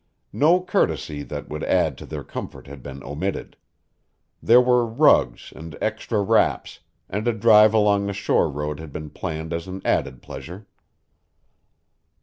No courtesy that would add to their comfort had been omitted. There were rugs and extra wraps, and a drive along the shore road had been planned as an added pleasure.